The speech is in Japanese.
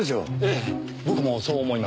ええ僕もそう思います。